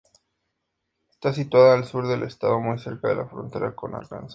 Está situada al sur del estado, muy cerca de la frontera con Arkansas.